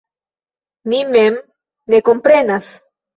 Mi mem ne komprenas.